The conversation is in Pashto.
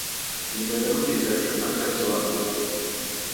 د مینه لرونکي زړه څښتن تل ځوان وي.